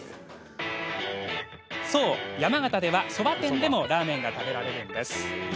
そう、山形ではそば店でもラーメンが食べられるんです。